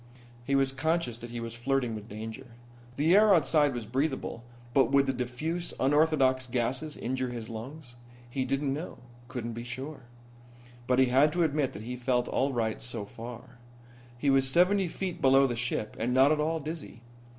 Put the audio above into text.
He was conscious that he was flirting with danger. The air outside was breathable, but would the diffuse, unorthodox gases injure his lungs? He didn't know, couldn't be sure. But he had to admit that he felt all right so far. He was seventy feet below the ship and not at all dizzy.